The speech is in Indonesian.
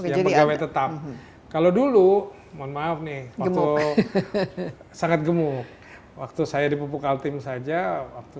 tujuh ribu lima ratus yang pegawai tetap kalau dulu mohon maaf nih sangat gemuk waktu saya di pupuk altim saja waktu